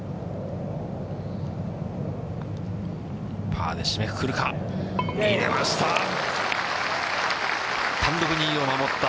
パーで締めくくるか、入れました。